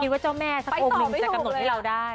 คิดว่าเจ้าแม่สักอบนึงจะกำหนดให้เราได้